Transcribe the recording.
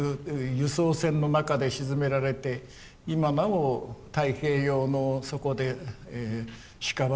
輸送船の中で沈められて今なお太平洋の底でしかばねとなって眠っているのか。